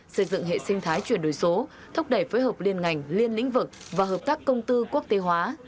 xây dựng hệ sinh thái chuyển đổi số thúc đẩy phối hợp liên ngành liên lĩnh vực và hợp tác công tư quốc tế hóa